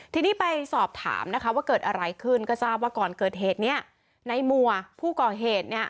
ทีนี้ไปสอบถามนะคะว่าเกิดอะไรขึ้นก็ทราบว่าก่อนเกิดเหตุเนี่ยในมัวผู้ก่อเหตุเนี่ย